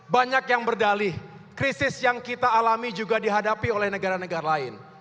banyak yang berdalih krisis yang kita alami juga dihadapi oleh negara negara lain